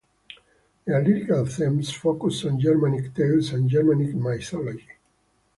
Their lyrical themes focus on Germanic tales and Germanic mythology.